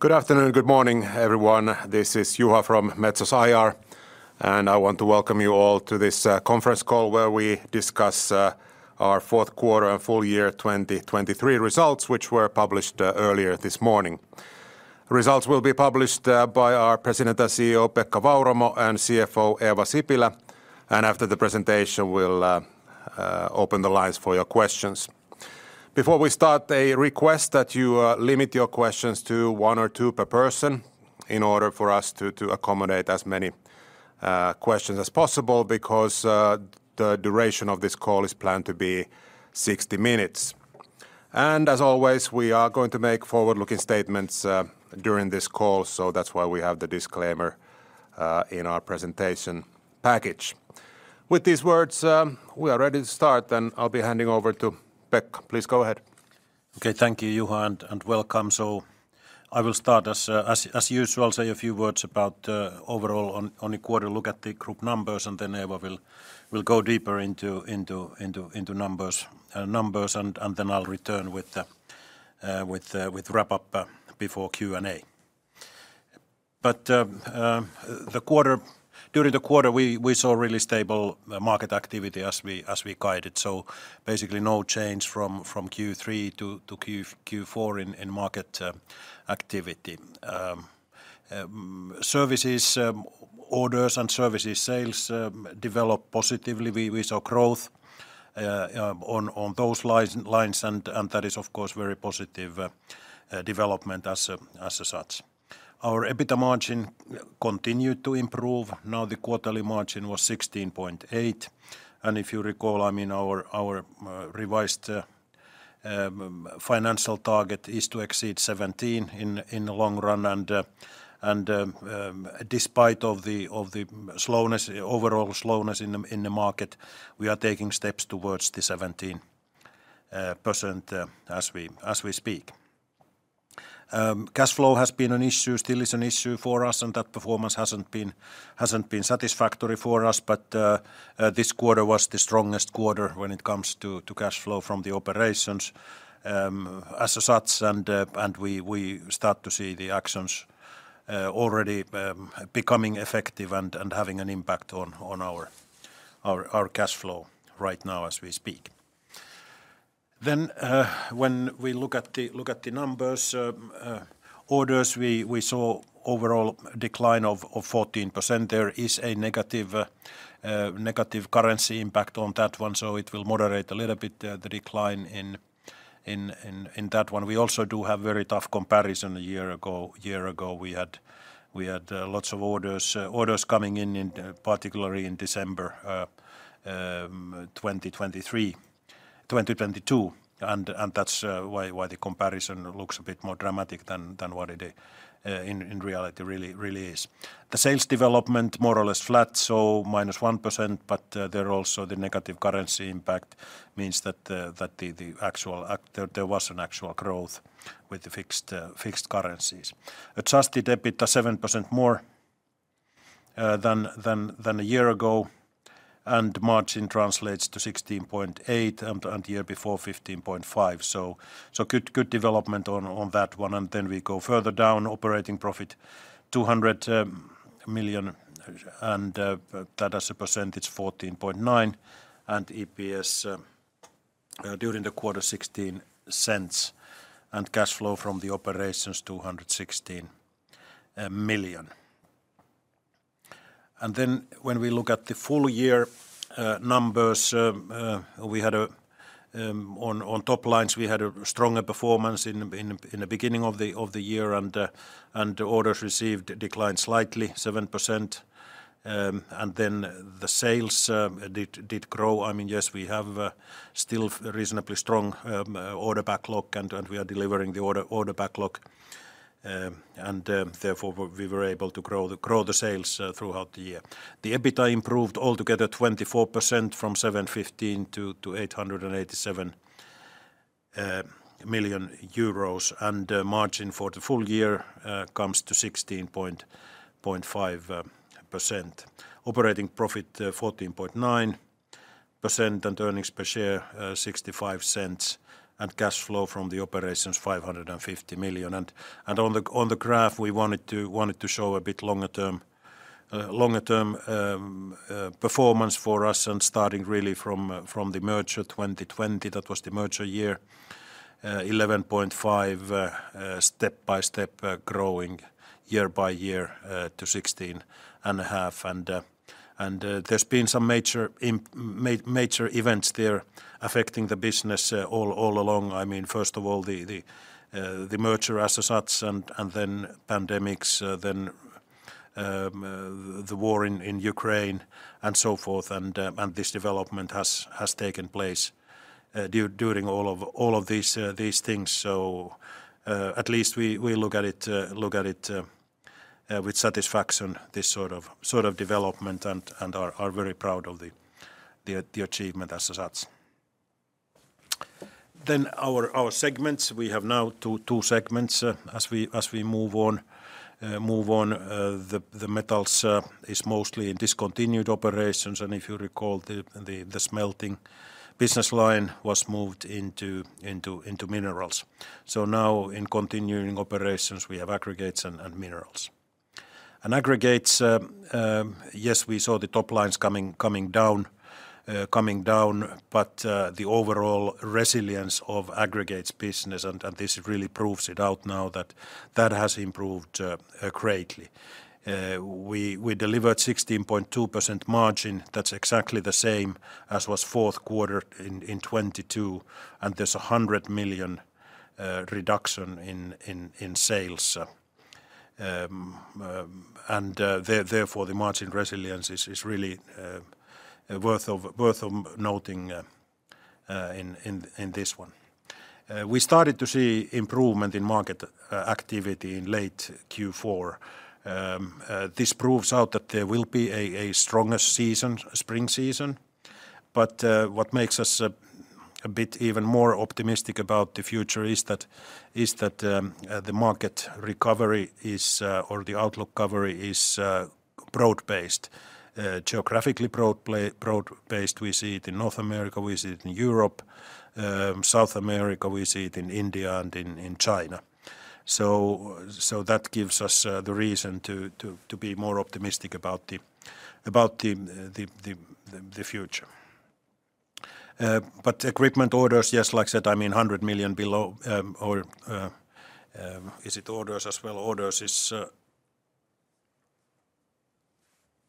Good afternoon and good morning, everyone. This is Juha from Metso's IR, and I want to welcome you all to this conference call, where we discuss our fourth quarter and full year 2023 results, which were published earlier this morning. Results will be presented by our President and CEO, Pekka Vauramo, and CFO, Eeva Sipilä. After the presentation, we'll open the lines for your questions. Before we start, a request that you limit your questions to one or two per person in order for us to accommodate as many questions as possible, because the duration of this call is planned to be 60 minutes. And as always, we are going to make forward-looking statements during this call, so that's why we have the disclaimer in our presentation package. With these words, we are ready to start, and I'll be handing over to Pekka. Please go ahead. Okay, thank you, Juha, and welcome. So I will start as usual, say a few words about overall on a quarter, look at the group numbers, and then Eeva will go deeper into numbers, and then I'll return with wrap up before Q&A. But the quarter... During the quarter, we saw really stable market activity as we guided. So basically, no change from Q3 to Q4 in market activity. Services orders and services sales developed positively. We saw growth on those lines, and that is, of course, very positive development as such. Our EBITA margin continued to improve. Now, the quarterly margin was 16.8, and if you recall, I mean, our revised financial target is to exceed 17% in the long run. And despite the slowness, overall slowness in the market, we are taking steps towards the 17%, as we speak. Cash flow has been an issue, still is an issue for us, and that performance hasn't been satisfactory for us. But this quarter was the strongest quarter when it comes to cash flow from the operations, and as such. And we start to see the actions already becoming effective and having an impact on our cash flow right now as we speak. Then, when we look at the numbers, orders, we saw overall decline of 14%. There is a negative currency impact on that one, so it will moderate a little bit, the decline in that one. We also do have very tough comparison a year ago. A year ago, we had lots of orders coming in, particularly in December, 2023... 2022, and that's why the comparison looks a bit more dramatic than what it in reality really is. The sales development more or less flat, so minus 1%, but there are also the negative currency impact means that the actual there was an actual growth with the fixed currencies. Adjusted EBITDA 7% more than a year ago, and margin translates to 16.8%, and year before 15.5%. So good development on that one, and then we go further down. Operating profit 200 million, and that as a percentage 14.9%, and EPS during the quarter 0.16, and cash flow from the operations 216 million. And then when we look at the full year numbers, on top lines we had a stronger performance in the beginning of the year, and orders received declined slightly 7%. And then the sales did grow. I mean, yes, we have still reasonably strong order backlog, and we are delivering the order backlog, and therefore, we were able to grow the sales throughout the year. The EBITDA improved altogether 24% from 715 million to 887 million euros, and the margin for the full year comes to 16.5%. Operating profit 14.9%, and earnings per share 0.65, and cash flow from the operations 550 million. On the graph, we wanted to show a bit longer term performance for us and starting really from the merger in 2020. That was the merger year, 11.5%, step by step, growing year by year, to 16.5%. And there's been some major events there affecting the business, all along. I mean, first of all, the merger as such, and then pandemics, then the war in Ukraine, and so forth. And this development has taken place during all of these things. So, at least we look at it with satisfaction, this sort of development, and are very proud of the achievement as such. Then our segments, we have now two segments, as we move on. Move on, the metals is mostly in discontinued operations. And if you recall, the smelting business line was moved into minerals. So now in continuing operations, we have aggregates and minerals. And aggregates, yes, we saw the top lines coming down, but the overall resilience of aggregates business, and this really proves it out now that that has improved greatly. We delivered 16.2% margin. That's exactly the same as was fourth quarter in 2022, and there's a 100 million reduction in sales. And therefore, the margin resilience is really worth noting in this one. We started to see improvement in market activity in late Q4. This proves out that there will be a stronger spring season. But what makes us a bit even more optimistic about the future is that the market recovery is or the outlook recovery is broad-based. We see it in North America, we see it in Europe, South America, we see it in India and in China. So that gives us the reason to be more optimistic about the future. But equipment orders, yes, like I said, I mean, 100 million below, or is it orders as well?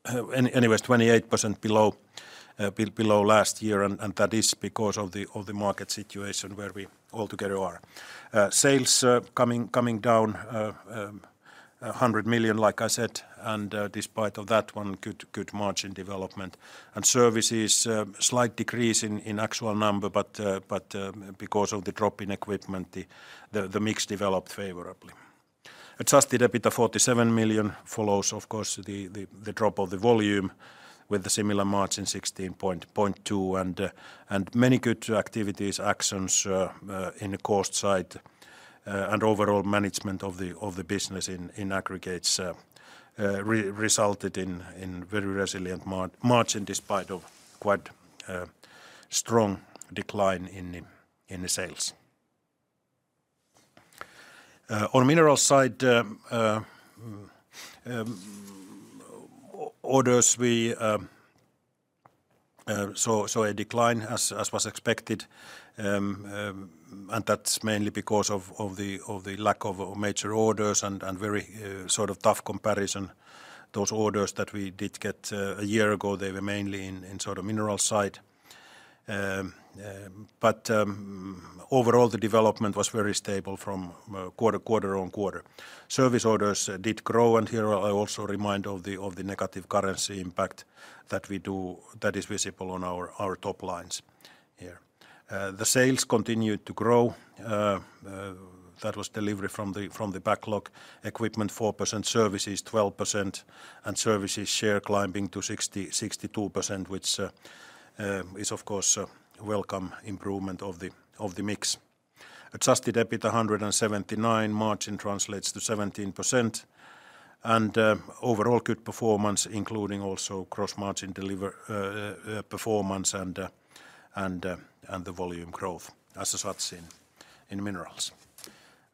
Orders is anyways, 28% below last year, and that is because of the market situation where we altogether are. Sales coming down 100 million, like I said, and despite of that one good margin development. Services slight decrease in actual number, but because of the drop in equipment, the mix developed favorably. Adjusted EBITA 47 million follows, of course, the drop of the volume with a similar margin, 16.2%, and many good activities, actions in the cost side and overall management of the business in aggregates resulted in very resilient margin, despite of quite strong decline in the sales. On minerals side, orders we saw a decline as was expected. And that's mainly because of the lack of major orders and very sort of tough comparison. Those orders that we did get a year ago, they were mainly in sort of minerals side. But overall, the development was very stable from quarter-on-quarter. Service orders did grow, and here I also remind of the negative currency impact that is visible on our top lines here. The sales continued to grow. That was delivery from the backlog. Equipment 4%, services 12%, and services share climbing to 62%, which is of course a welcome improvement of the mix. Adjusted EBITDA 179, margin translates to 17%, and overall good performance, including also gross margin deliver performance and the volume growth as such in minerals.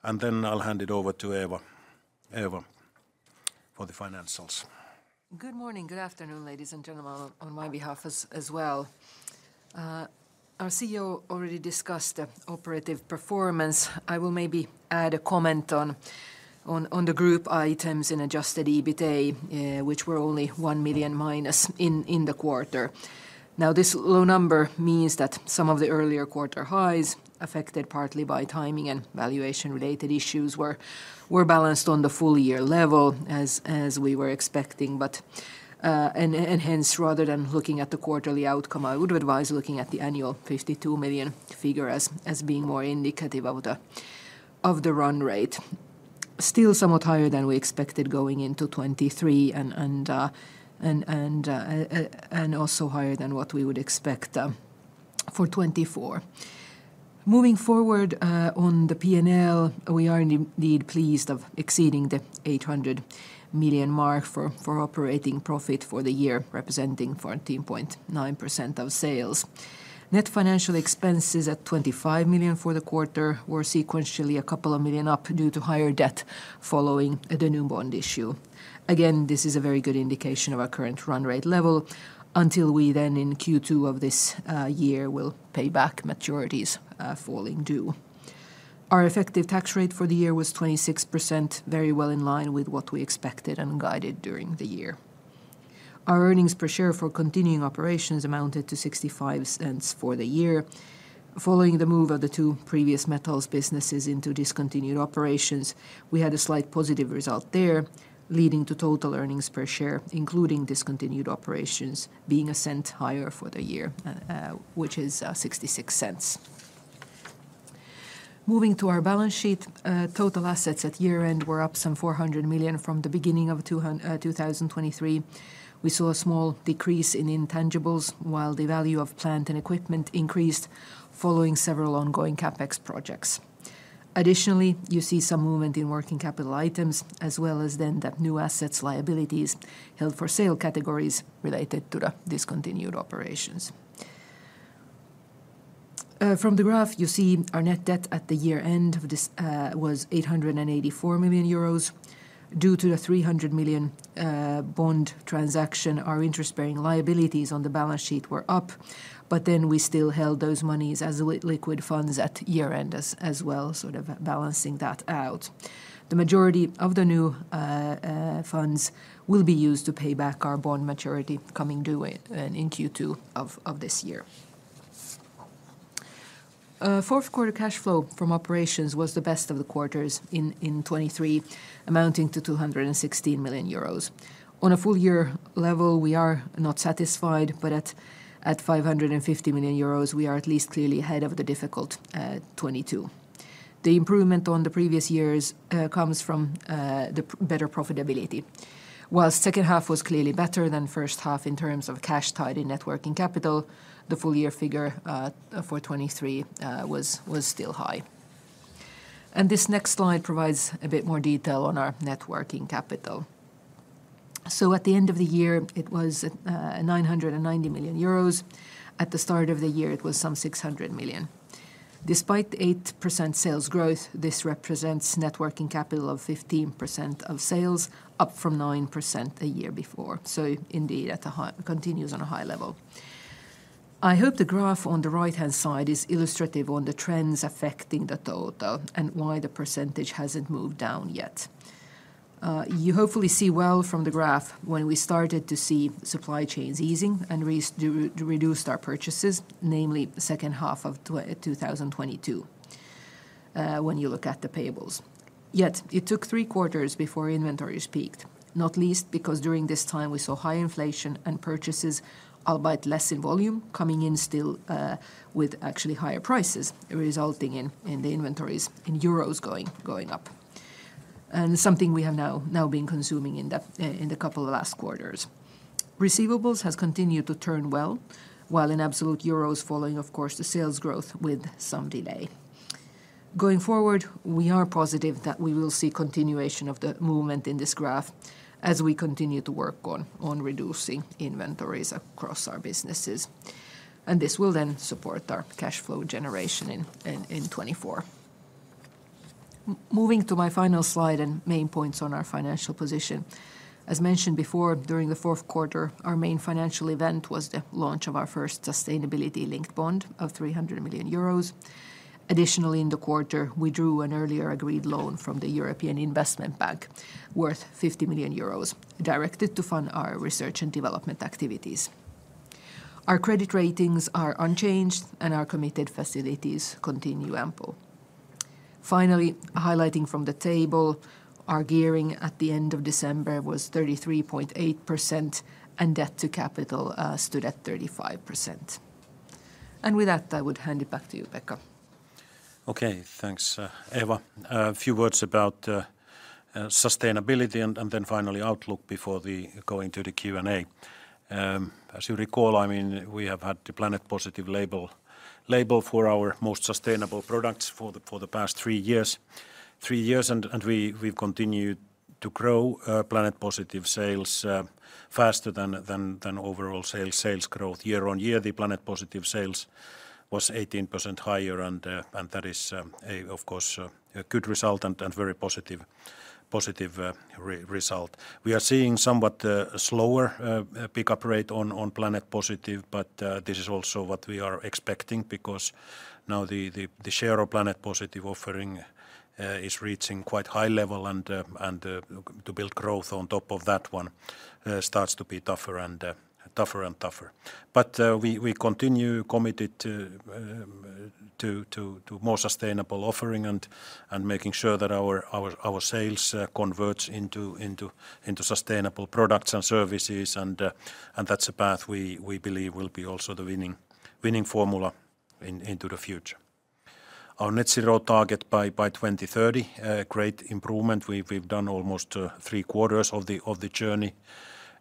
And then I'll hand it over to Eeva. Eeva, for the financials. Good morning, good afternoon, ladies and gentlemen, on my behalf as well. Our CEO already discussed the operative performance. I will maybe add a comment on the group items in Adjusted EBITA, which were only -1 million in the quarter. Now, this low number means that some of the earlier quarter highs, affected partly by timing and valuation-related issues, were balanced on the full-year level, as we were expecting. But and hence, rather than looking at the quarterly outcome, I would advise looking at the annual 52 million figure as being more indicative of the run rate. Still somewhat higher than we expected going into 2023, and also higher than what we would expect for 2024. Moving forward, on the P&L, we are indeed pleased of exceeding the 800 million mark for operating profit for the year, representing 14.9% of sales. Net financial expenses at 25 million for the quarter were sequentially a couple of million up due to higher debt following the new bond issue. Again, this is a very good indication of our current run rate level until we then, in Q2 of this year, will pay back maturities falling due. Our effective tax rate for the year was 26%, very well in line with what we expected and guided during the year. Our earnings per share for continuing operations amounted to 0.65 for the year. Following the move of the two previous metals businesses into discontinued operations, we had a slight positive result there, leading to total earnings per share, including discontinued operations, being EUR 0.01 higher for the year, which is 0.66. Moving to our balance sheet, total assets at year-end were up some 400 million from the beginning of 2023. We saw a small decrease in intangibles, while the value of plant and equipment increased following several ongoing CapEx projects. Additionally, you see some movement in working capital items, as well as then the new assets, liabilities, held for sale categories related to the discontinued operations. From the graph, you see our net debt at the year end of this was 884 million euros. Due to the 300 million bond transaction, our interest-bearing liabilities on the balance sheet were up, but then we still held those monies as liquid funds at year-end as well, sort of balancing that out. The majority of the new funds will be used to pay back our bond maturity coming due in Q2 of this year. Fourth quarter cash flow from operations was the best of the quarters in 2023, amounting to 216 million euros. On a full year level, we are not satisfied, but at 550 million euros, we are at least clearly ahead of the difficult 2022. The improvement on the previous years comes from the better profitability. While second half was clearly better than first half in terms of cash tied in net working capital, the full year figure for 2023 was still high. This next slide provides a bit more detail on our net working capital. So at the end of the year, it was 990 million euros. At the start of the year, it was some 600 million. Despite the 8% sales growth, this represents net working capital of 15% of sales, up from 9% the year before, so indeed at a high level. It continues on a high level. I hope the graph on the right-hand side is illustrative on the trends affecting the total and why the percentage hasn't moved down yet. You hopefully see well from the graph when we started to see supply chains easing and reduced our purchases, namely the second half of 2022, when you look at the payables. Yet, it took 3 quarters before inventories peaked, not least because during this time we saw high inflation and purchases, albeit less in volume, coming in still, with actually higher prices, resulting in the inventories in EUR going up. And something we have now been consuming in the couple of last quarters. Receivables has continued to turn well, while in absolute euros, following, of course, the sales growth with some delay. Going forward, we are positive that we will see continuation of the movement in this graph as we continue to work on reducing inventories across our businesses, and this will then support our cash flow generation in 2024. Moving to my final slide and main points on our financial position. As mentioned before, during the fourth quarter, our main financial event was the launch of our first sustainability-linked bond of 300 million euros. Additionally, in the quarter, we drew an earlier agreed loan from the European Investment Bank worth 50 million euros, directed to fund our research and development activities. Our credit ratings are unchanged, and our committed facilities continue ample. Finally, highlighting from the table, our gearing at the end of December was 33.8%, and debt to capital stood at 35%. With that, I would hand it back to you, Pekka. Okay, thanks, Eva. A few words about sustainability and then finally outlook before going to the Q&A. As you recall, I mean, we have had the Planet Positive label for our most sustainable products for the past three years, and we've continued to grow Planet Positive sales faster than overall sales growth. Year on year, the Planet Positive sales was 18% higher, and that is, of course, a good result and very positive result. We are seeing somewhat slower pick-up rate on Planet Positive, but this is also what we are expecting, because now the share of Planet Positive offering is reaching quite high level, and to build growth on top of that one starts to be tougher and tougher and tougher. But we continue committed to more sustainable offering and making sure that our sales converts into sustainable products and services, and that's a path we believe will be also the winning formula into the future. Our net zero target by 2030, great improvement. We've done almost three quarters of the journey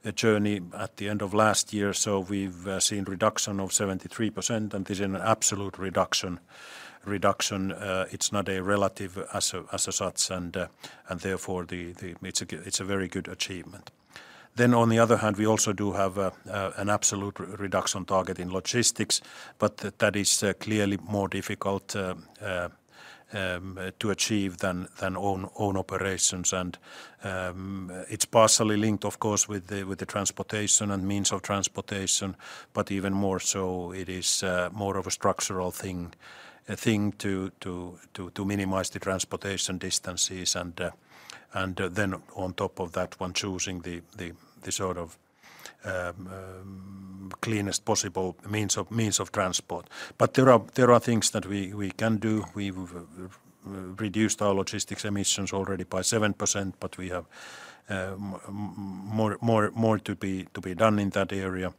at the end of last year, so we've seen reduction of 73%, and this is an absolute reduction. It's not a relative as such, and therefore, it's a very good achievement. Then on the other hand, we also do have an absolute reduction target in logistics, but that is clearly more difficult to achieve than own operations. And, it's partially linked, of course, with the transportation and means of transportation, but even more so, it is more of a structural thing, a thing to minimize the transportation distances and then on top of that one, choosing the sort of cleanest possible means of transport. But there are things that we can do. We've reduced our logistics emissions already by 7%, but we have more to be done in that area.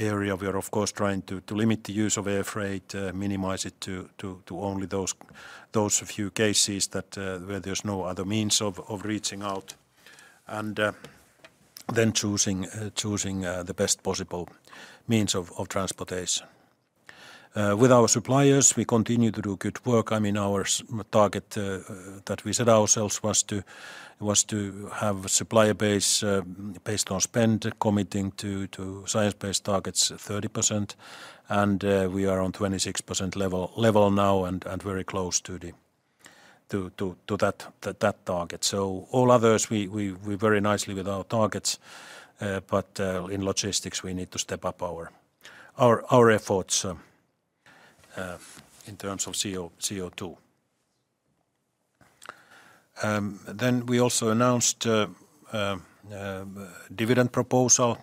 We are, of course, trying to limit the use of air freight, minimize it to only those few cases that where there's no other means of reaching out and then choosing the best possible means of transportation. With our suppliers, we continue to do good work. I mean, our target that we set ourselves was to have a supplier base based on spend committing to Science Based Targets 30%, and we are on 26% level now and very close to that target. So all others, we're very nicely with our targets, but in logistics, we need to step up our efforts in terms of CO2. Then we also announced dividend proposal,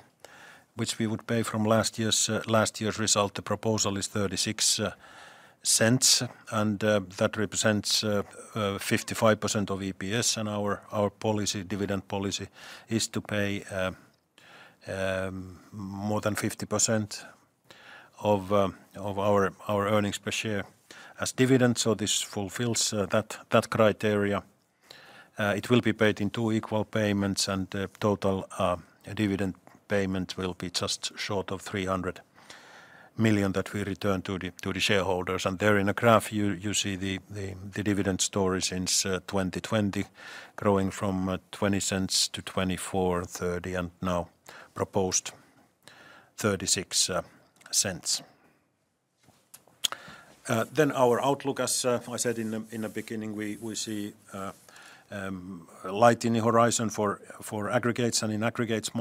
which we would pay from last year's result. The proposal is 0.36, and that represents 55% of EPS. Our dividend policy is to pay more than 50% of our earnings per share as dividends, so this fulfills that criteria. It will be paid in two equal payments, and the total dividend payment will be just short of 300 million that we return to the shareholders. There in a graph, you see the dividend story since 2020, growing from 0.20 to EUR 0.24,and 0.30, and now proposed 0.36. Then our outlook, as I said in the beginning, we see light in the horizon for aggregates and in aggregates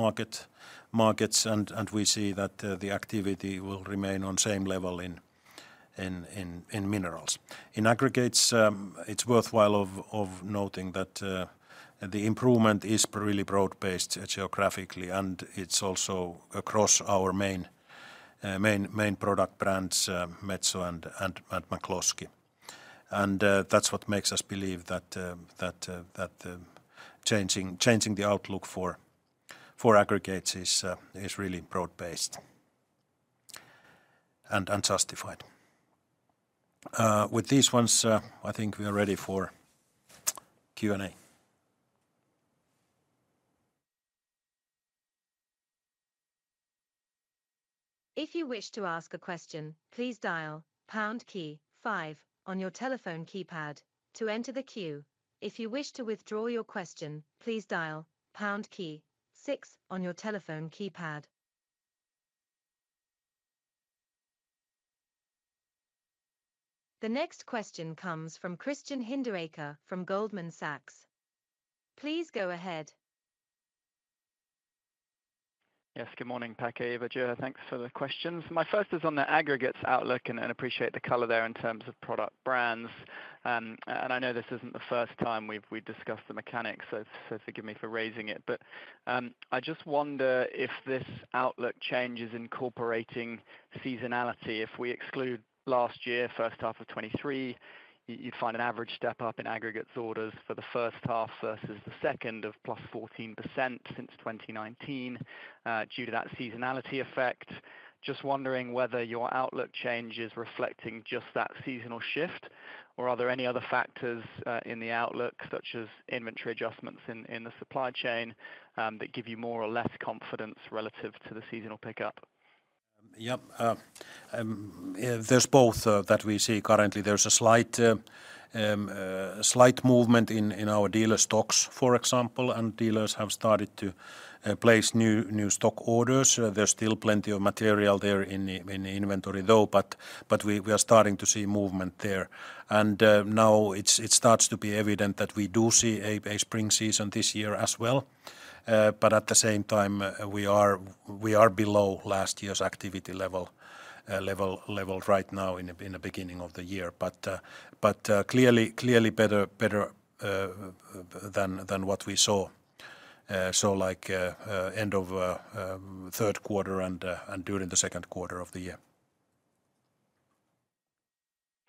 markets, and we see that the activity will remain on same level in minerals. In aggregates, it's worthwhile noting that the improvement is really broad-based geographically, and it's also across our main product brands, Metso and McCloskey. That's what makes us believe that changing the outlook for aggregates is really broad-based and justified. With these ones, I think we are ready for Q&A. If you wish to ask a question, please dial pound key five on your telephone keypad to enter the queue. If you wish to withdraw your question, please dial pound key six on your telephone keypad. The next question comes from Christian Hinderaker from Goldman Sachs. Please go ahead. Yes, good morning, Pekka, Eeva, Juha. Thanks for the questions. My first is on the aggregates outlook, and appreciate the color there in terms of product brands. And I know this isn't the first time we've discussed the mechanics, so forgive me for raising it. But I just wonder if this outlook change is incorporating seasonality. If we exclude last year, first half of 2023, you'd find an average step up in aggregates orders for the first half versus the second of +14% since 2019, due to that seasonality effect. Just wondering whether your outlook change is reflecting just that seasonal shift, or are there any other factors in the outlook, such as inventory adjustments in the supply chain, that give you more or less confidence relative to the seasonal pickup? Yeah. There's both that we see currently. There's a slight movement in our dealer stocks, for example, and dealers have started to place new stock orders. There's still plenty of material there in the inventory though, but we are starting to see movement there. And now it starts to be evident that we do see a spring season this year as well. But at the same time, we are below last year's activity level right now in the beginning of the year. But clearly better than what we saw, so like end of third quarter and during the second quarter of the year.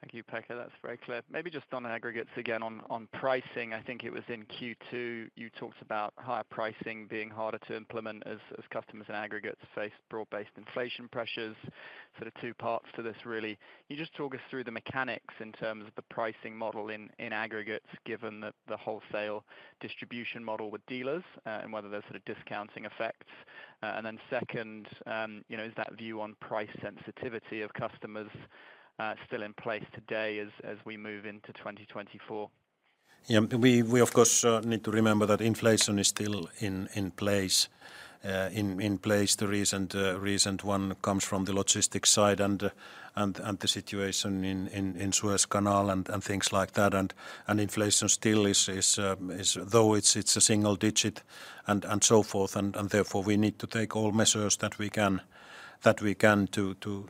Thank you, Pekka. That's very clear. Maybe just on aggregates again, on pricing, I think it was in Q2, you talked about higher pricing being harder to implement as customers and aggregates face broad-based inflation pressures. So the two parts to this, really: Can you just talk us through the mechanics in terms of the pricing model in aggregates, given the wholesale distribution model with dealers, and whether there's sort of discounting effects? And then second, you know, is that view on price sensitivity of customers still in place today as we move into 2024? Yeah. We of course need to remember that inflation is still in place. The recent one comes from the logistics side and the situation in Suez Canal and things like that. And inflation still is. Though it's a single digit and so forth, and therefore, we need to take all measures that we can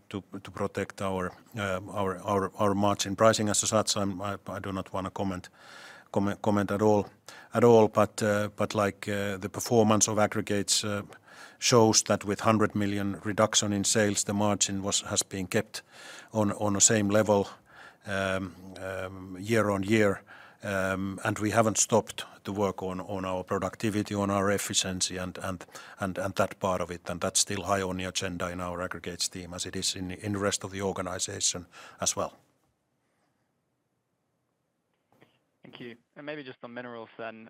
to protect our margin pricing. As such, I do not want to comment at all. But like the performance of aggregates shows that with 100 million reduction in sales, the margin has been kept on the same level year-on-year. And we haven't stopped to work on our productivity, on our efficiency and that part of it, and that's still high on the agenda in our aggregates team, as it is in the rest of the organization as well. Thank you. And maybe just on minerals then,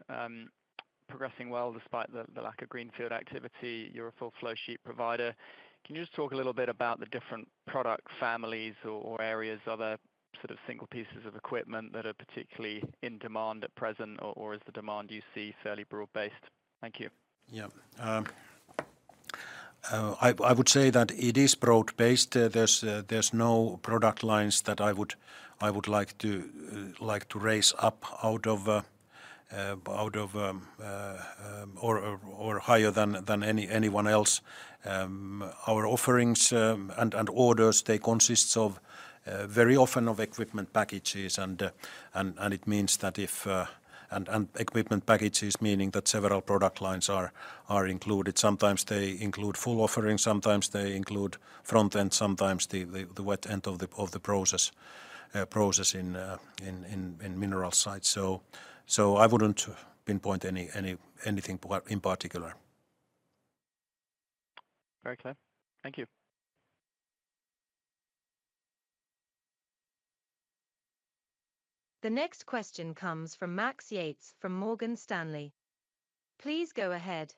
progressing well, despite the lack of greenfield activity, you're a full flow sheet provider. Can you just talk a little bit about the different product families or areas? Are there sort of single pieces of equipment that are particularly in demand at present, or is the demand you see fairly broad-based? Thank you. Yeah. I would say that it is broad-based. There's no product lines that I would like to raise up out of, or higher than anyone else. Our offerings and orders, they consists of very often of equipment packages, and it means that if the equipment packages, meaning that several product lines are included. Sometimes they include full offering, sometimes they include front end, sometimes the wet end of the process in mineral sites. So I wouldn't pinpoint anything in particular. Very clear. Thank you. The next question comes from Max Yates, from Morgan Stanley. Please go ahead.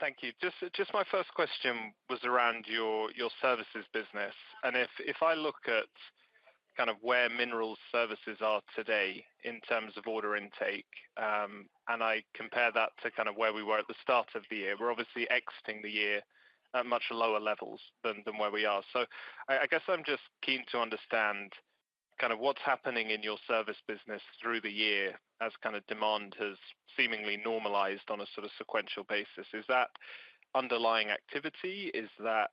Thank you. Just, just my first question was around your, your services business, and if, if I look at kind of where minerals services are today in terms of order intake, and I compare that to kind of where we were at the start of the year, we're obviously exiting the year at much lower levels than, than where we are. So I, I guess I'm just keen to understand kind of what's happening in your service business through the year, as kind of demand has seemingly normalized on a sort of sequential basis. Is that underlying activity? Is that,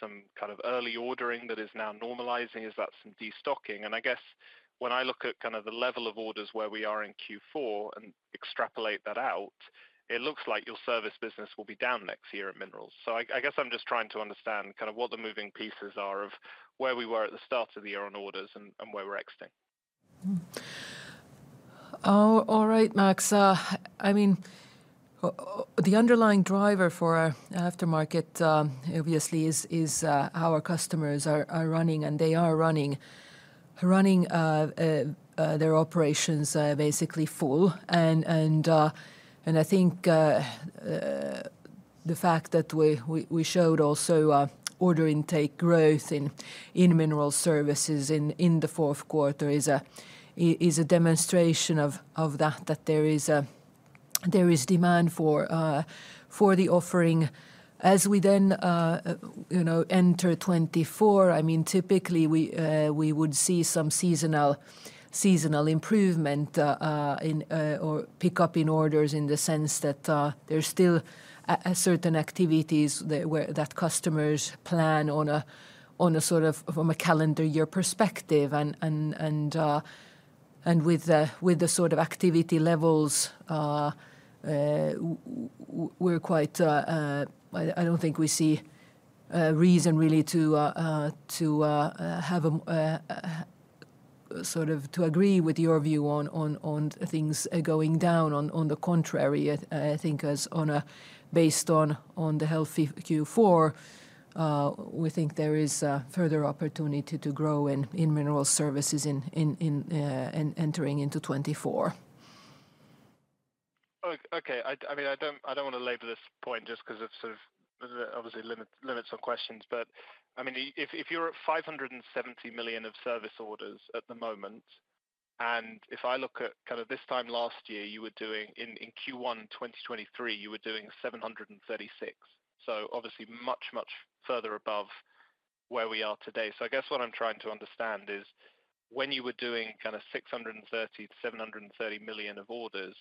some kind of early ordering that is now normalizing? Is that some destocking? I guess when I look at kind of the level of orders where we are in Q4 and extrapolate that out, it looks like your service business will be down next year at minerals. So I, I guess I'm just trying to understand kind of what the moving pieces are of where we were at the start of the year on orders and, and where we're exiting. All right, Max. I mean, the underlying driver for our aftermarket, obviously is how our customers are running, and they are running. Running their operations basically full. And I think the fact that we showed also order intake growth in mineral services in the fourth quarter is a demonstration of that there is a... There is demand for the offering. As we then, you know, enter 2024, I mean, typically we would see some seasonal improvement in or pick up in orders in the sense that, there's still a certain activities that where that customers plan on a sort of from a calendar year perspective. And with the sort of activity levels, we're quite. I don't think we see reason really to have sort of to agree with your view on things going down. On the contrary, I think as on a, based on the healthy Q4, we think there is further opportunity to grow in mineral services in entering into 2024. Oh, okay. I mean, I don't wanna labor this point just 'cause it's sort of obviously limits on questions. But, I mean, if you're at 570 million of service orders at the moment, and if I look at kind of this time last year, you were doing in Q1 2023, you were doing 736 million. So obviously much, much further above where we are today. So I guess what I'm trying to understand is, when you were doing kind of 630 million to 730 million of orders,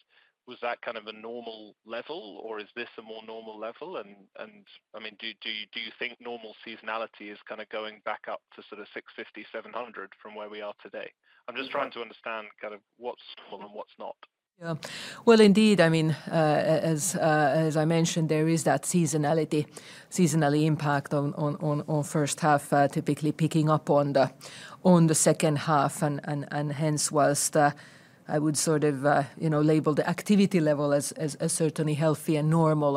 was that kind of a normal level, or is this a more normal level? And, I mean, do you think normal seasonality is kind of going back up to sort of 650, 700 from where we are today? Yeah. I'm just trying to understand kind of what's full and what's not. Yeah. Well, indeed, I mean, as I mentioned, there is that seasonality, seasonal impact on first half, typically picking up on the second half. And hence, was a, I would sort of a, you know, label the activity level as certainly healthy and normal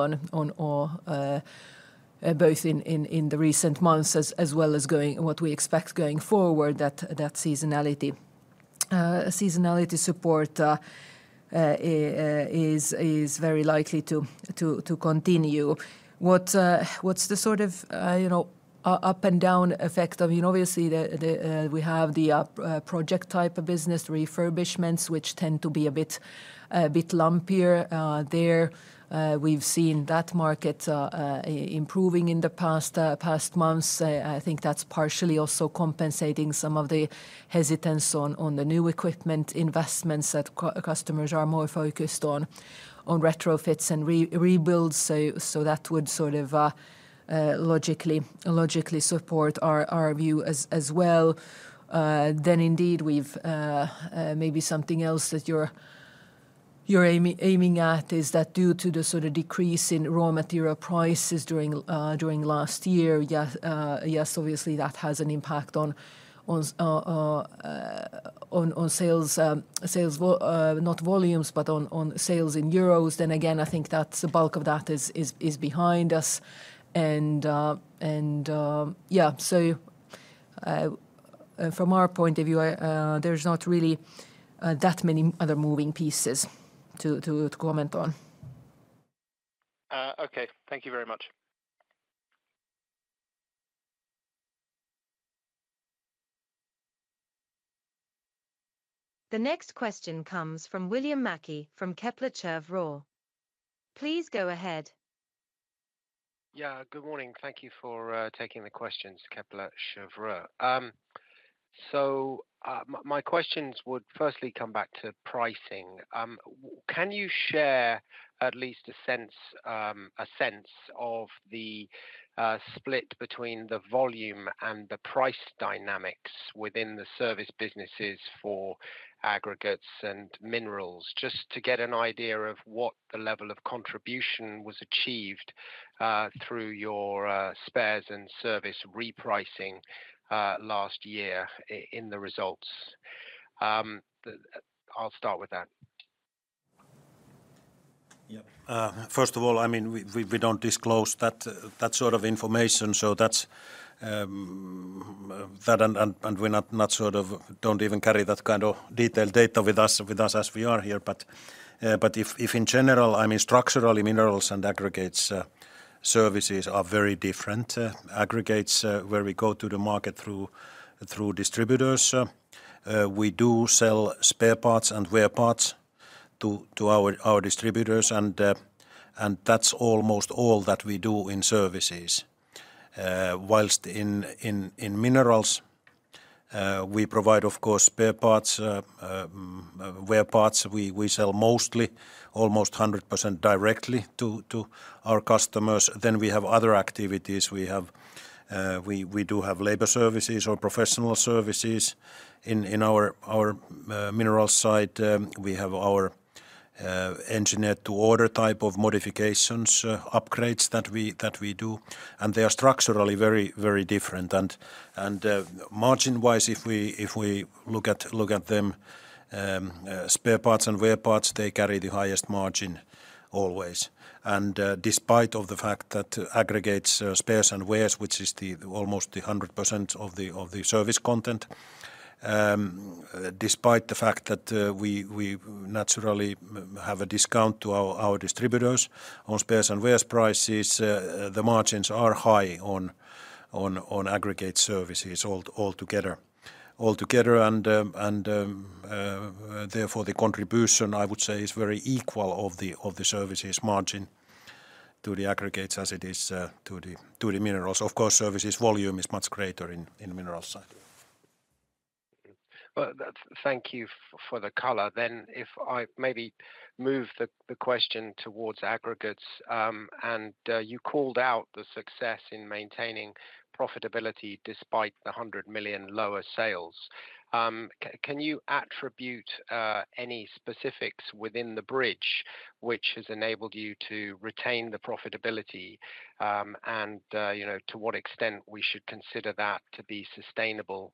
both in the recent months as well as going forward, what we expect going forward, that seasonality. Seasonality support is very likely to continue. What's the sort of, you know, up and down effect of, you know, obviously, we have the project type of business, refurbishments, which tend to be a bit lumpier, out there. We've seen that market improving in the past months. I think that's partially also compensating some of the hesitance on the new equipment investments that customers are more focused on retrofits and rebuilds. So that would sort of a logically support our view as well. Then indeed, maybe something else that you're aiming at is that due to the sort of decrease in raw material prices during last year, yes, obviously, that has an impact on sales, not volumes, but on sales in EUR. Then again, I think that's the bulk of that is behind us, and yeah, so... From our point of view, there's not really that many other moving pieces to comment on. Okay. Thank you very much. The next question comes from William Mackie from Kepler Cheuvreux. Please go ahead. Yeah, good morning. Thank you for taking the questions, Kepler Cheuvreux. So, my questions would firstly come back to pricing. Can you share at least a sense, a sense of the split between the volume and the price dynamics within the service businesses for aggregates and minerals? Just to get an idea of what the level of contribution was achieved through your spares and service repricing last year in the results. I'll start with that. Yeah. First of all, I mean, we don't disclose that sort of information, so that's that and we're not sort of, don't even carry that kind of detailed data with us, as we are here. But if in general, I mean, structurally, minerals and aggregates services are very different. Aggregates, where we go to the market through distributors, we do sell spare parts and wear parts to our distributors, and that's almost all that we do in services. Whilst in minerals, we provide, of course, spare parts, wear parts. We sell mostly almost 100% directly to our customers. Then we have other activities. We do have labor services or professional services. In our minerals side, we have our engineer to order type of modifications, upgrades that we do, and they are structurally very, very different. And, margin-wise, if we look at them, spare parts and wear parts, they carry the highest margin always. And, despite the fact that aggregates spares and wears, which is almost 100% of the service content, despite the fact that we naturally have a discount to our distributors on spares and wears prices, the margins are high on aggregate services altogether. Altogether, therefore, the contribution, I would say, is very equal of the services margin to the aggregates as it is to the minerals. Of course, services volume is much greater in the minerals side. Well, thank you for the color. Then if I maybe move the question towards aggregates, and you called out the success in maintaining profitability despite the 100 million lower sales. Can you attribute any specifics within the bridge, which has enabled you to retain the profitability? And you know, to what extent we should consider that to be sustainable?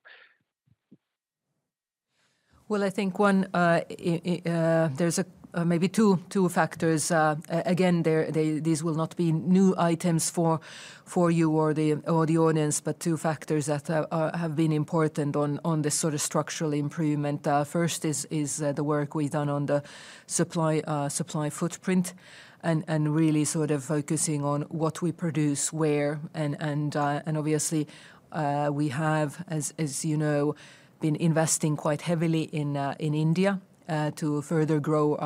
Well, I think one, there's maybe two factors. Again, these will not be new items for you or the audience, but two factors that have been important on this sort of structural improvement. First is the work we've done on the supply footprint and really sort of focusing on what we produce where, and obviously, we have, as you know, been investing quite heavily in India to further grow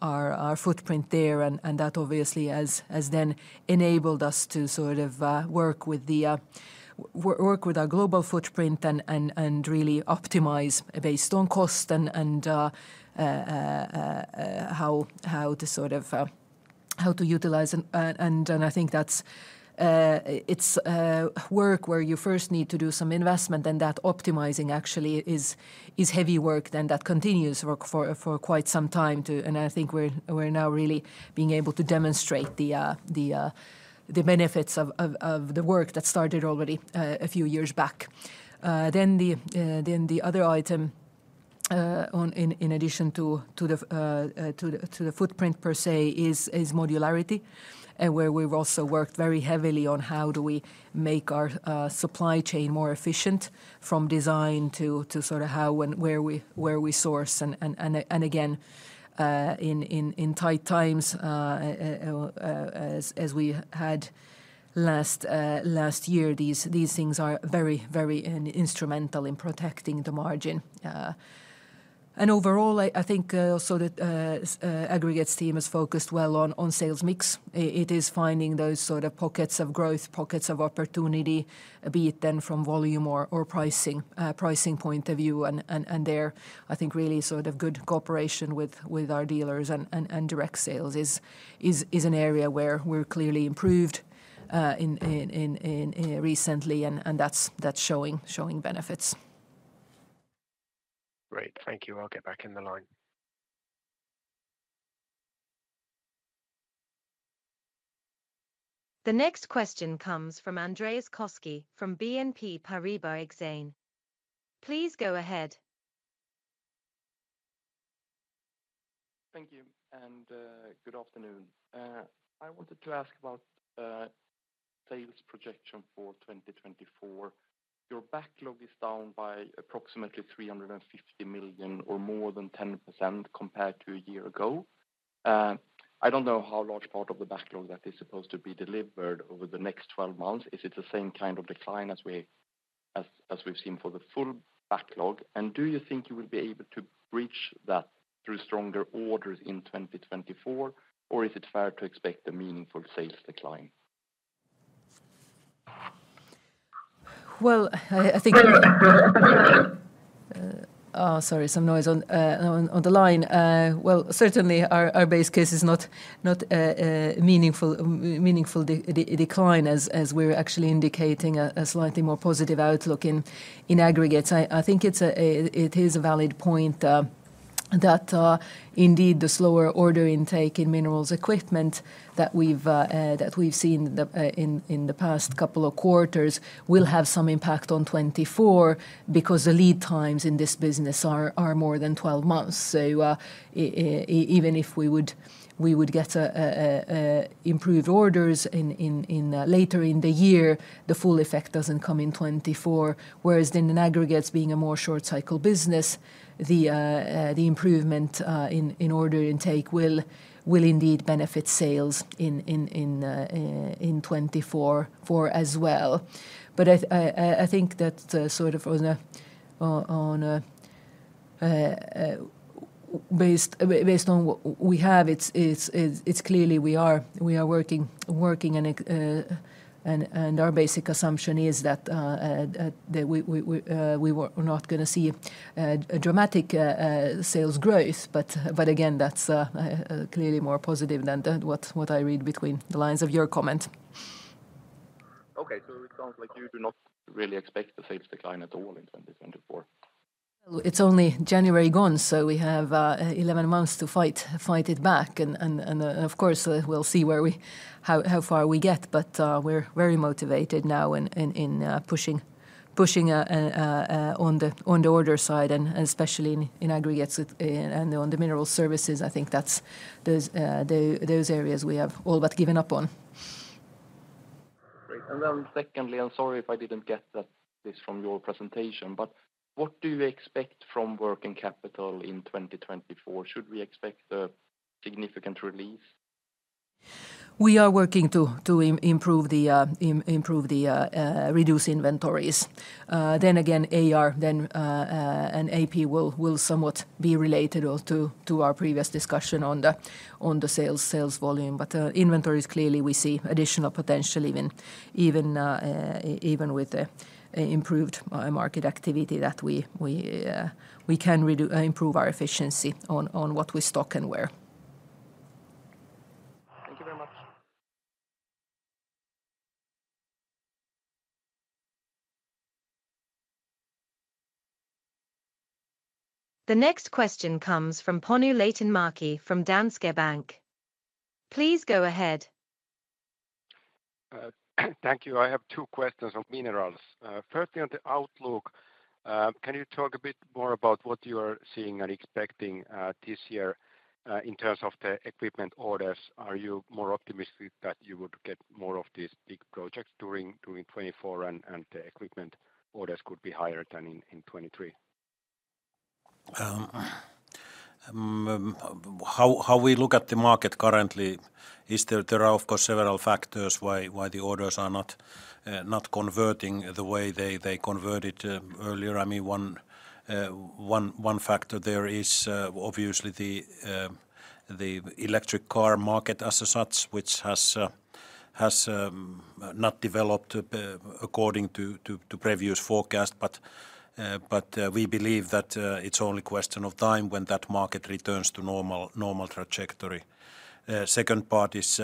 our footprint there, and that obviously has then enabled us to sort of work with the, Work with our global footprint and really optimize based on cost and how to sort of utilize and then I think that's work where you first need to do some investment, then that optimizing actually is heavy work, then that continues work for quite some time to, and I think we're now really being able to demonstrate the benefits of the work that started already a few years back. Then the other item, in addition to the footprint per se, is modularity, where we've also worked very heavily on how do we make our supply chain more efficient from design to sort of how and where we source and again, in tight times, as we had last year, these things are very, very instrumental in protecting the margin. And overall, I think, also the aggregates team is focused well on sales mix. It is finding those sort of pockets of growth, pockets of opportunity, be it then from volume or pricing point of view, and their, I think, really sort of good cooperation with our dealers and direct sales is an area where we're clearly improved in recently, and that's showing benefits. Great. Thank you. I'll get back in the line. The next question comes from Andreas Koski from BNP Paribas Exane. Please go ahead. Thank you, and good afternoon. I wanted to ask about sales projection for 2024. Your backlog is down by approximately 350 million or more than 10% compared to a year ago. I don't know how large part of the backlog that is supposed to be delivered over the next 12 months. Is it the same kind of decline as we've seen for the full backlog? And do you think you will be able to reach that through stronger orders in 2024, or is it fair to expect a meaningful sales decline? Well, I think, sorry, some noise on the line. Well, certainly our base case is not meaningful decline as we're actually indicating a slightly more positive outlook in aggregates. I think it is a valid point that indeed, the slower order intake in minerals equipment that we've seen in the past couple of quarters will have some impact on 2024, because the lead times in this business are more than 12 months. So, even if we would get an improved orders later in the year, the full effect doesn't come in 2024. Whereas in aggregates being a more short cycle business, the improvement in order intake will indeed benefit sales in 2024 as well. But I think that sort of on a based on what we have, it's clearly we are working and our basic assumption is that we were not gonna see a dramatic sales growth. But then again, that's clearly more positive than what I read between the lines of your comment. Okay. So it sounds like you do not really expect the sales decline at all in 2024? Well, it's only January gone, so we have 11 months to fight it back. And of course, we'll see where we, how far we get, but we're very motivated now in pushing on the order side and especially in aggregates with and on the mineral services. I think that's those, the those areas we have all but given up on. Great. And then secondly, I'm sorry if I didn't get that, this from your presentation, but what do you expect from working capital in 2024? Should we expect a significant relief? We are working to improve the reducing inventories. Then again, AR, then, and AP will somewhat be related to our previous discussion on the sales volume. Inventories, clearly we see additional potential even with the improved market activity that we can reduce, improve our efficiency on what we stock and where. Thank you very much. The next question comes from Panu Laitinmäki from Danske Bank. Please go ahead. Thank you. I have two questions on minerals. Firstly, on the outlook, can you talk a bit more about what you are seeing and expecting, this year, in terms of the equipment orders? Are you more optimistic that you would get more of these big projects during 2024, and the equipment orders could be higher than in 2023? How we look at the market currently is there are, of course, several factors why the orders are not converting the way they converted earlier. I mean, one factor there is obviously the electric car market as such, which has not developed according to previous forecast. But we believe that it's only a question of time when that market returns to normal trajectory. Second part is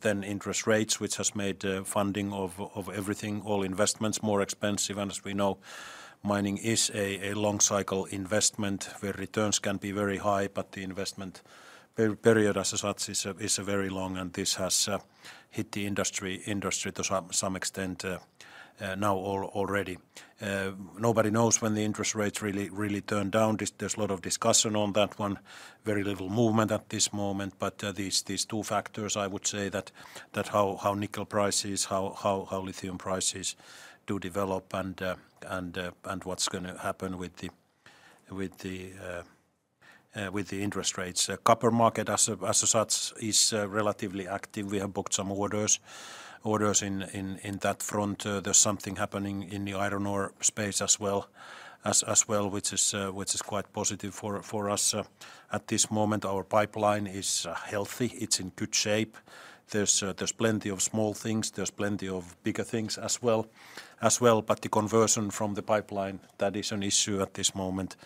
then interest rates, which has made funding of everything, all investments, more expensive. And as we know, mining is a long cycle investment, where returns can be very high, but the investment period as such is a very long, and this has hit the industry to some extent now already. Nobody knows when the interest rates really turn down. There's a lot of discussion on that one. Very little movement at this moment, but these two factors, I would say that how nickel prices, how lithium prices do develop, and what's gonna happen with the interest rates. Copper market as such is relatively active. We have booked some orders in that front. There's something happening in the iron ore space as well, which is quite positive for us. At this moment, our pipeline is healthy, it's in good shape. There's plenty of small things, there's plenty of bigger things as well, but the conversion from the pipeline, that is an issue at this moment,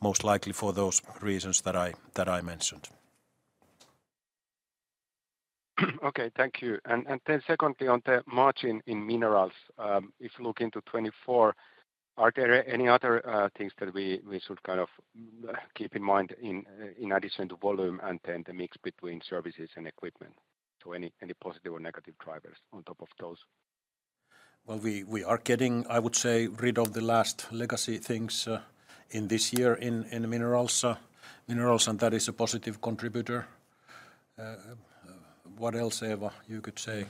most likely for those reasons that I mentioned. Okay, thank you. And then secondly, on the margin in minerals, if you look into 2024, are there any other things that we should kind of keep in mind in addition to volume and then the mix between services and equipment? So any positive or negative drivers on top of those? Well, we are getting, I would say, rid of the last legacy things in this year in minerals, and that is a positive contributor. What else, Eeva, you could say?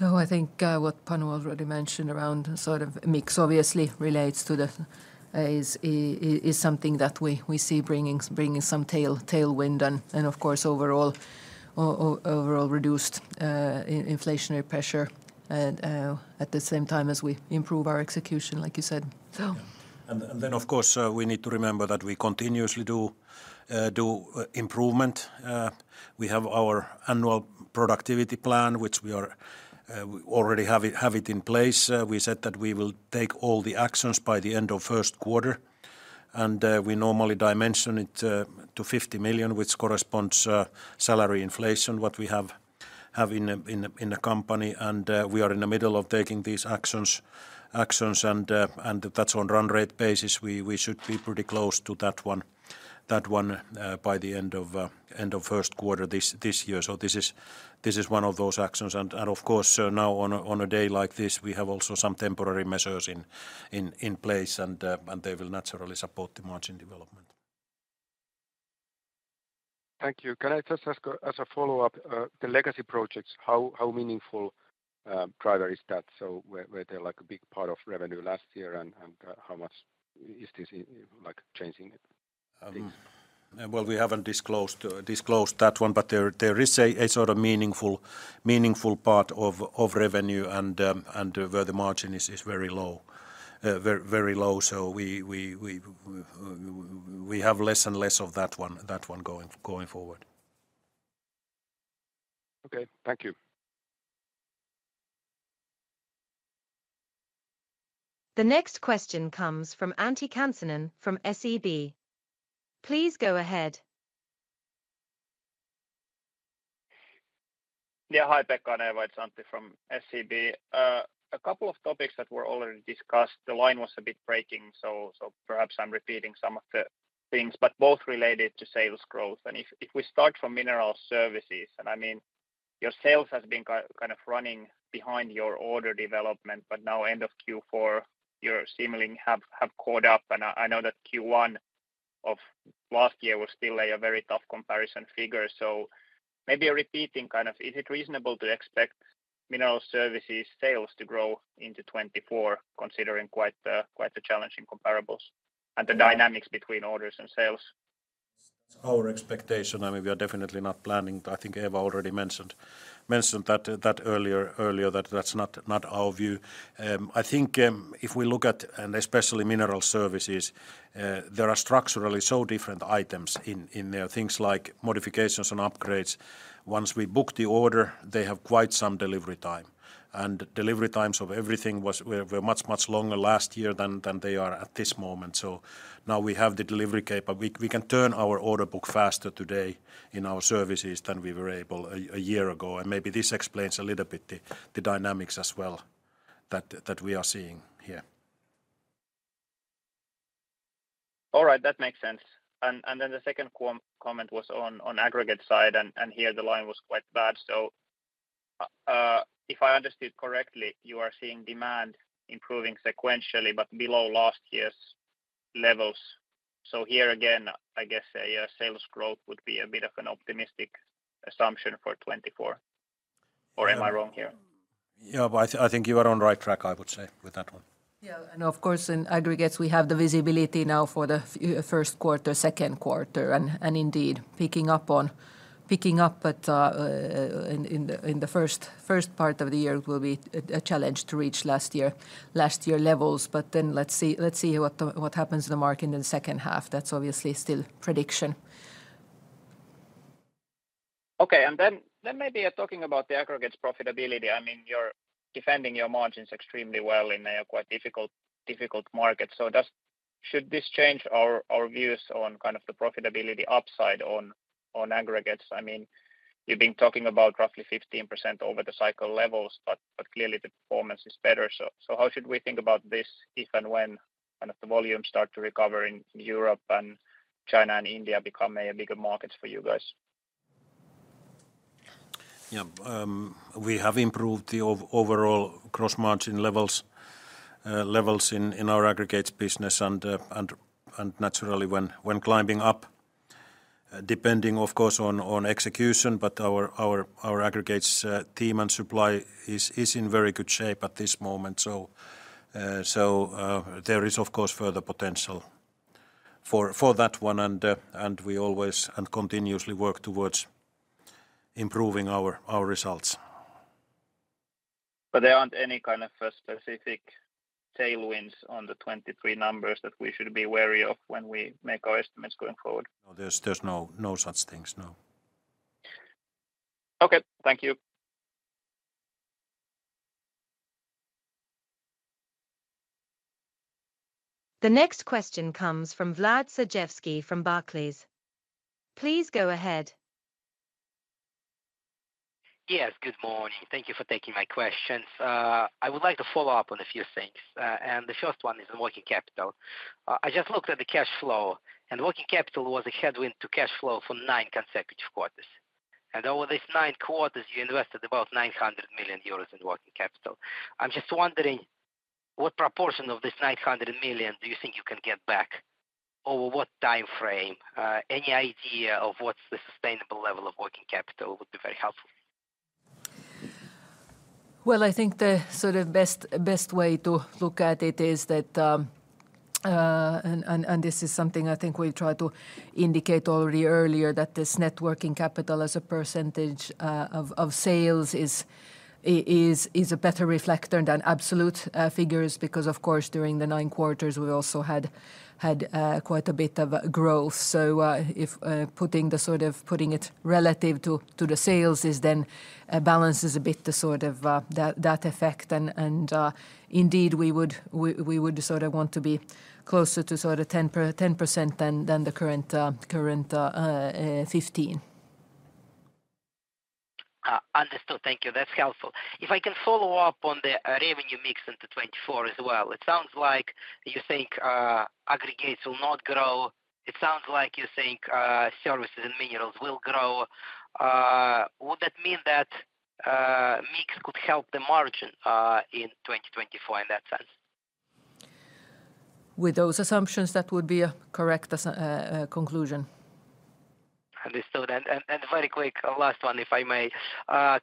Oh, I think what Panu already mentioned around sort of mix obviously relates to something that we see bringing some tailwind and of course overall reduced inflationary pressure, and at the same time as we improve our execution, like you said. So. And then, of course, we need to remember that we continuously do improvement. We have our annual productivity plan, which we already have in place. We said that we will take all the actions by the end of first quarter, and we normally dimension it to 50 million, which corresponds to salary inflation, what we have in a company. And we are in the middle of taking these actions, and that's on run rate basis. We should be pretty close to that one by the end of first quarter this year. So this is one of those actions. And of course, now on a day like this, we have also some temporary measures in place, and they will naturally support the margin development. Thank you. Can I just ask a, as a follow-up, the legacy projects, how meaningful driver is that? So were they, like, a big part of revenue last year, and how much is this, like, changing it? Well, we haven't disclosed that one, but there is a sort of meaningful part of revenue and where the margin is very low. Very low, so we have less and less of that one going forward. Okay, thank you. The next question comes from Antti Kansanen from SEB. Please go ahead. Yeah, hi, Pekka and Eeva. It's Antti from SEB. A couple of topics that were already discussed. The line was a bit breaking, so perhaps I'm repeating some of the things, but both related to sales growth. If we start from mineral services, I mean, your sales has been kind of running behind your order development, but now end of Q4, you seemingly have caught up, and I know that Q1 of last year was still a very tough comparison figure. So maybe repeating kind of, is it reasonable to expect mineral services sales to grow into 2024, considering quite a challenging comparables and the dynamics between orders and sales? Our expectation, I mean, we are definitely not planning. I think Eeva already mentioned that earlier, that that's not our view. I think if we look at, and especially mineral services, there are structurally so different items in there. Things like modifications and upgrades. Once we book the order, they have quite some delivery time, and delivery times of everything were much longer last year than they are at this moment. So now we have the delivery capability. We can turn our order book faster today in our services than we were able a year ago, and maybe this explains a little bit the dynamics as well that we are seeing here. All right, that makes sense. And then the second comment was on the aggregate side, and here the line was quite bad. So, if I understood correctly, you are seeing demand improving sequentially but below last year's levels. So here again, I guess a sales growth would be a bit of an optimistic assumption for 2024. Or am I wrong here? Yeah, but I, I think you are on right track, I would say, with that one. Yeah, and of course, in aggregates, we have the visibility now for the first quarter, second quarter, and indeed picking up, but in the first part of the year will be a challenge to reach last year levels. But then, let's see what happens in the market in the second half. That's obviously still prediction. Okay, and then maybe talking about the aggregates profitability. I mean, you're defending your margins extremely well in a quite difficult market. So does this change our views on kind of the profitability upside on aggregates? I mean, you've been talking about roughly 15% over the cycle levels, but clearly the performance is better. So how should we think about this if and when, kind of, the volumes start to recover in Europe and China and India become a bigger markets for you guys? Yeah. We have improved the overall gross margin levels in our aggregates business, and, and naturally, when climbing up, depending, of course, on execution, but our aggregates team and supply is in very good shape at this moment. So, so, there is, of course, further potential for that one, and, and we always and continuously work towards improving our results. But there aren't any kind of specific tailwinds on the 2023 numbers that we should be wary of when we make our estimates going forward? No, there's no such things, no. Okay, thank you. The next question comes from Vlad Sergievsky from Barclays. Please go ahead. Yes, good morning. Thank you for taking my questions. I would like to follow up on a few things, and the first one is the working capital. I just looked at the cash flow, and working capital was a headwind to cash flow for 9 consecutive quarters. And over these 9 quarters, you invested about 900 million euros in working capital. I'm just wondering, what proportion of this 900 million do you think you can get back? Over what time frame? Any idea of what's the sustainable level of working capital would be very helpful. Well, I think the sort of best way to look at it is that, and this is something I think we tried to indicate already earlier, that this net working capital as a percentage of sales is a better reflector than absolute figures. Because, of course, during the 9 quarters, we also had quite a bit of growth. So, if putting it relative to the sales then balances a bit that effect. And, indeed, we would sort of want to be closer to sort of 10% than the current 15%. Understood. Thank you. That's helpful. If I can follow up on the revenue mix into 2024 as well. It sounds like you think aggregates will not grow. It sounds like you think services and minerals will grow. Would that mean that mix could help the margin in 2024 in that sense? With those assumptions, that would be a correct conclusion. Understood. And very quick, last one, if I may.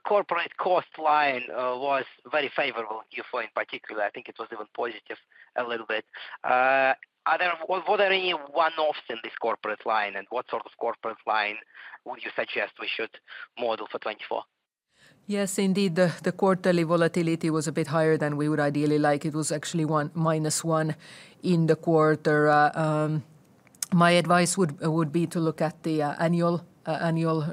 Corporate cost line was very favorable, Q4 in particular. I think it was even positive a little bit. Are there, were there any one-offs in this corporate line, and what sort of corporate line would you suggest we should model for 2024? Yes, indeed, the quarterly volatility was a bit higher than we would ideally like. It was actually -1 in the quarter. My advice would be to look at the annual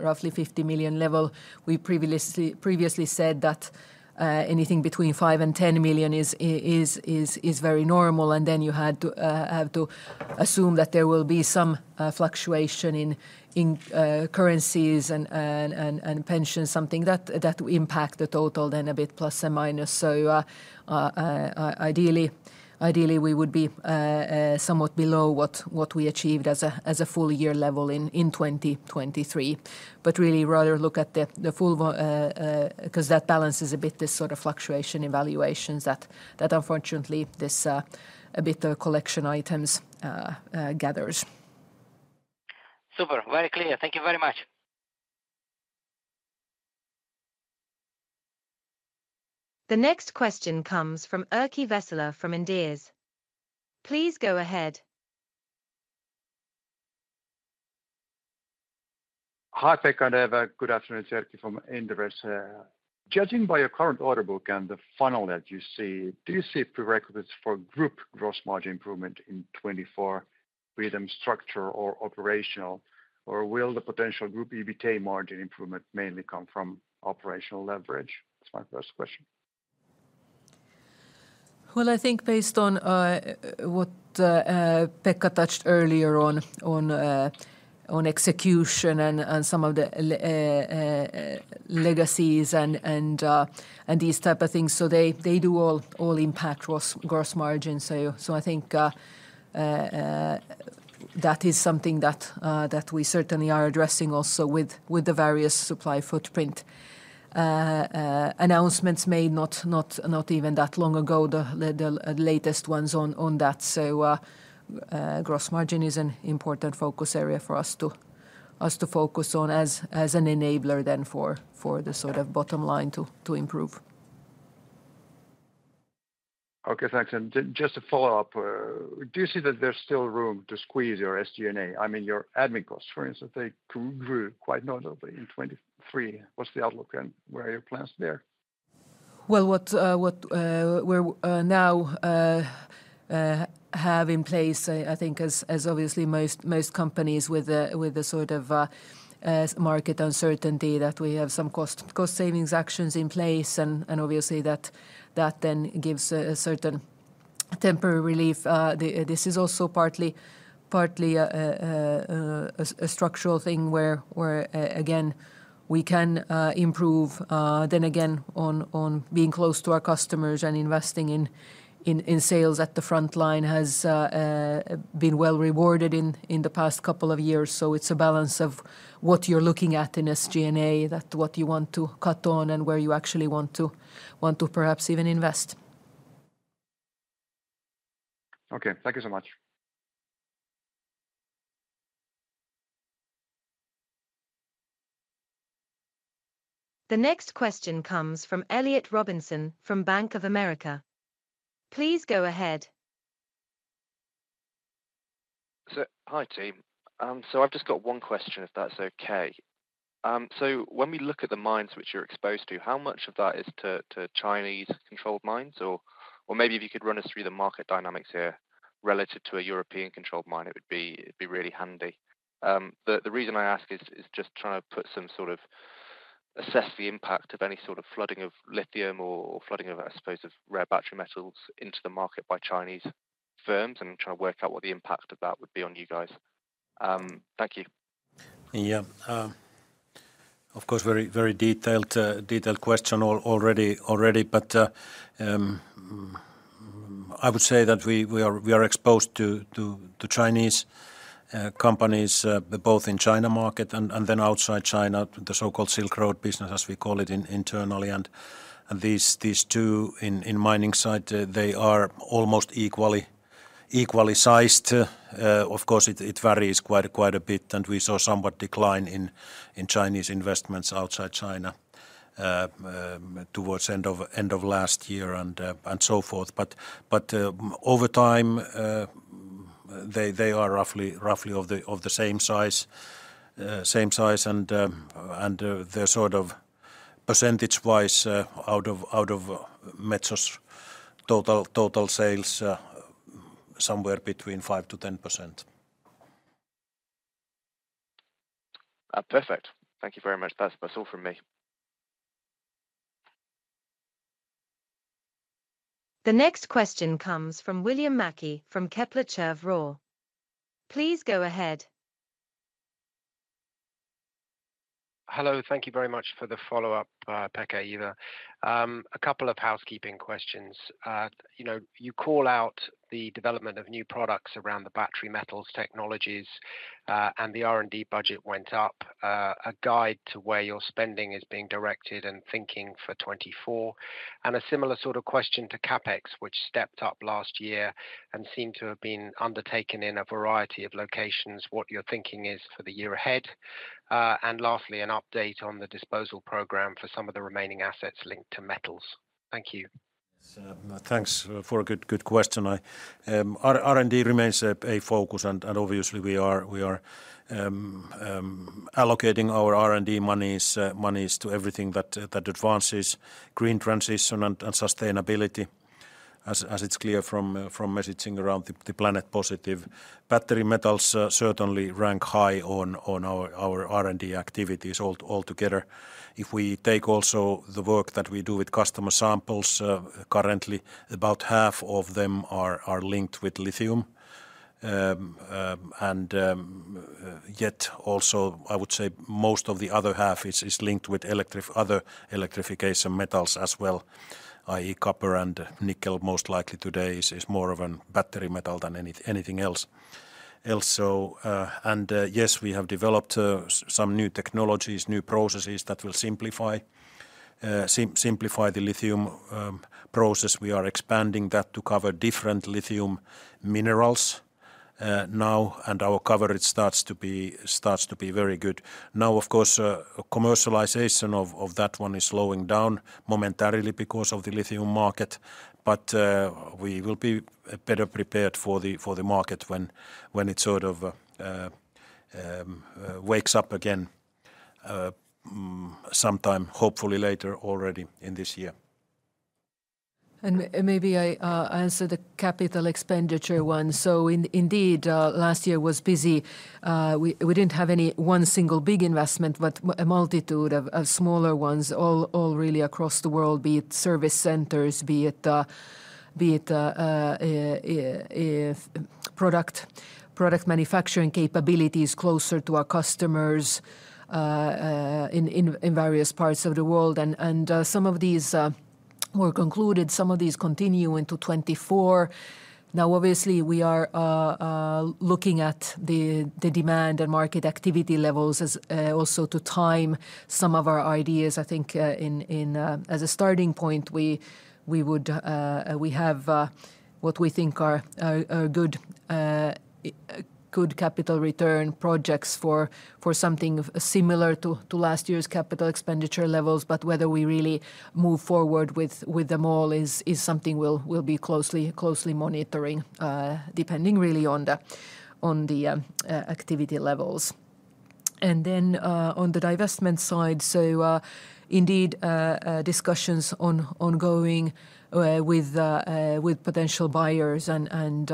roughly 50 million level. We previously said that anything between 5 million and 10 million is very normal, and then you have to assume that there will be some fluctuation in currencies and pensions, something that impact the total, then a bit plus and minus. So, ideally, we would be somewhat below what we achieved as a full year level in 2023. But really rather look at the full (volume) 'Cause that balance is a bit this sort of fluctuation in valuations that, that unfortunately, this, a bit of collection items gathers. Super, very clear. Thank you very much. The next question comes from Erkki Vesola from Inderes. Please go ahead. Hi, Pekka Vauramo. Good afternoon. It's Erkki from Inderes. Judging by your current order book and the funnel that you see, do you see prerequisites for group gross margin improvement in 2024, be them structural or operational? Or will the potential group EBITA margin improvement mainly come from operational leverage? That's my first question. Well, I think based on what Pekka touched earlier on execution and some of the legacies and these type of things, so they do all impact gross margin. So I think that is something that we certainly are addressing also with the various supply footprint. Gross margin is an important focus area for us to focus on as an enabler then for the sort of bottom line to improve. Okay, thanks. And just to follow up, do you see that there's still room to squeeze your SG&A? I mean, your admin costs, for instance, they grew quite notably in 2023. What's the outlook and what are your plans there? Well, what we now have in place, I think as obviously most companies with a sort of market uncertainty, that we have some cost savings actions in place, and obviously that then gives a certain temporary relief. This is also partly a structural thing where again we can improve. Then again, on being close to our customers and investing in sales at the front line has been well rewarded in the past couple of years. So it's a balance of what you're looking at in SG&A, that what you want to cut on, and where you actually want to perhaps even invest. Okay, thank you so much. The next question comes from Elliot Robinson, from Bank of America. Please go ahead. Hi, team. I've just got one question, if that's okay. When we look at the mines which you're exposed to, how much of that is to Chinese-controlled mines? Or maybe if you could run us through the market dynamics here relative to a European-controlled mine, it would be really handy. The reason I ask is just trying to assess the impact of any sort of flooding of lithium or flooding of, I suppose, rare battery metals into the market by Chinese firms, and try to work out what the impact of that would be on you guys. Thank you. Yeah, of course, very, very detailed question already. But, I would say that we are exposed to Chinese companies both in China market and then outside China, the so-called Silk Road business, as we call it internally. And these two in mining side, they are almost equally sized. Of course, it varies quite a bit, and we saw somewhat decline in Chinese investments outside China towards end of last year and so forth. But over time, they are roughly of the same size, and they're sort of percentage-wise out of Metso's total sales somewhere between 5%-10%. Perfect. Thank you very much. That's all from me. The next question comes from William Mackie from Kepler Cheuvreux. Please go ahead. Hello, thank you very much for the follow-up, Pekka, Eeva. A couple of housekeeping questions. You know, you call out the development of new products around the battery metals technologies, and the R&D budget went up. A guide to where your spending is being directed and thinking for 2024. And a similar sort of question to CapEx, which stepped up last year and seemed to have been undertaken in a variety of locations, what your thinking is for the year ahead. And lastly, an update on the disposal program for some of the remaining assets linked to metals. Thank you. Yes, thanks for a good, good question. R&D remains a focus, and obviously we are allocating our R&D monies to everything that advances green transition and sustainability, as it's clear from messaging around the Planet Positive. Battery metals certainly rank high on our R&D activities altogether. If we take also the work that we do with customer samples, currently, about half of them are linked with lithium. And yet also, I would say most of the other half is linked with other electrification metals as well, i.e., copper and nickel, most likely today is more of an battery metal than anything else. Yes, we have developed some new technologies, new processes that will simplify the lithium process. We are expanding that to cover different lithium minerals now, and our coverage starts to be very good. Now, of course, commercialization of that one is slowing down momentarily because of the lithium market, but we will be better prepared for the market when it sort of wakes up again, sometime, hopefully later, already in this year. And maybe I answer the capital expenditure one. So indeed, last year was busy. We didn't have any one single big investment, but a multitude of smaller ones, all really across the world, be it service centers, be it product manufacturing capabilities closer to our customers in various parts of the world. And some of these were concluded, some of these continue into 2024. Now, obviously, we are looking at the demand and market activity levels as also to time some of our ideas. I think in... As a starting point, we would have what we think are good capital return projects for something similar to last year's capital expenditure levels. But whether we really move forward with them all is something we'll be closely monitoring, depending really on the activity levels. And then on the divestment side, so indeed discussions are ongoing with potential buyers and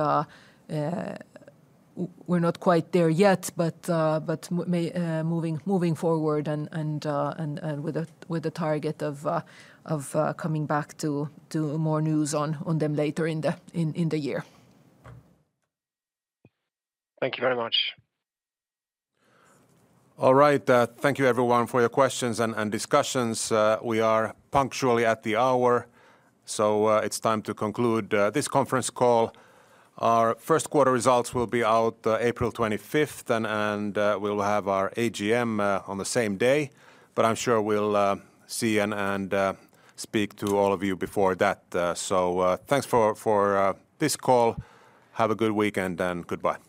we're not quite there yet, but maybe moving forward and with a target of coming back to more news on them later in the year. Thank you very much. All right. Thank you everyone for your questions and discussions. We are punctually at the hour, so it's time to conclude this conference call. Our first quarter results will be out April twenty-fifth, and we'll have our AGM on the same day, but I'm sure we'll see and speak to all of you before that. So, thanks for this call. Have a good weekend, and goodbye.